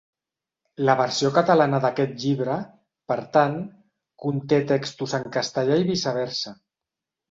La versió catalana d'aquest llibre, per tant, conté textos en castellà i viceversa.